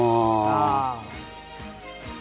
ああ。